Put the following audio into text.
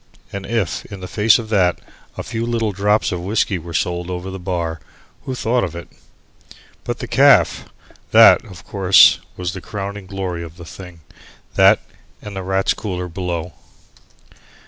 And if, in the face of that, a few little drops of whiskey were sold over the bar, who thought of it? But the caff! that, of course, was the crowning glory of the thing, that and the Rats' Cooler below.